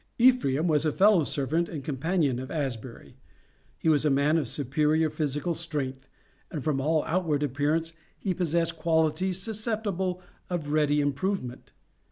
Ephraim was a fellow servant and companion of Asbury. He was a man of superior physical strength, and from all outward appearance, he possessed qualities susceptible of ready improvement.